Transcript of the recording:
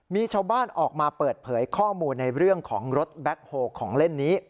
มีชาวบ้านออกมาเปิดเผยข้อมูลในเรื่องของรถแบ็คโฮลของเล่นนี้